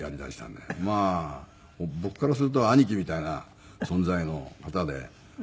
まあ僕からすると兄貴みたいな存在の方で。